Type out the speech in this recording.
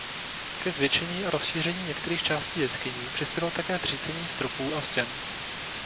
Ke zvětšení a rozšíření některých částí jeskyní přispělo také zřícení stropů a stěn.